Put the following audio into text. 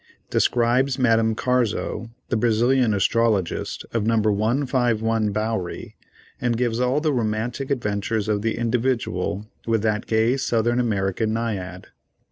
Describes Madame Carzo, the Brazilian Astrologist, of No. 151 Bowery, and gives all the romantic adventures of the "Individual" with that gay South American Naiad.